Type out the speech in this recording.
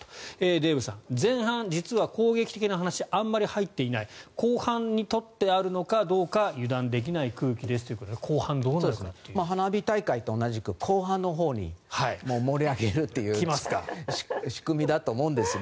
デーブさん、前半実は攻撃的な話があんまり入っていない後半に取ってあるのかどうか油断できない空気ですということで花火大会と同じく後半のほうに盛り上げるという仕組みだと思いますが。